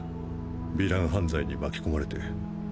ヴィラン犯罪に巻き込まれて。